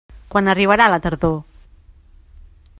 Quan arribarà la tardor?